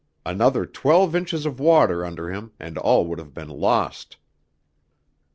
Another twelve inches of water under him and all would have been lost.